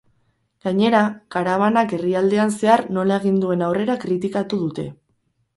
Gainera, karabanak herrialdean zehar nola egin duen aurrera kritikatu dute.